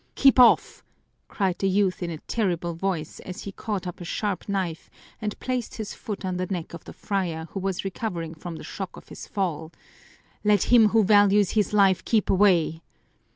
"Keep off!" cried the youth in a terrible voice, as he caught up a sharp knife and placed his foot on the neck of the friar, who was recovering from the shock of his fall. "Let him who values his life keep away!"